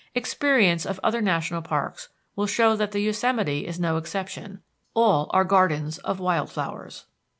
Experience of other national parks will show that the Yosemite is no exception; all are gardens of wild flowers.